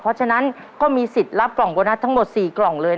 เพราะฉะนั้นก็มีสิทธิ์รับกล่องโบนัสทั้งหมด๔กล่องเลย